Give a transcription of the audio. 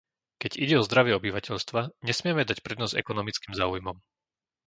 Keď ide o zdravie obyvateľstva, nesmieme dať prednosť ekonomickým záujmom.